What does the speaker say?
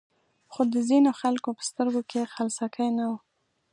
خو د ځینو خلکو په سترګو کې خلسکی نه و.